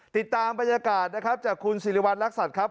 ติดตามบรรยากาศนะครับจากคุณสิริวัณรักษัตริย์ครับ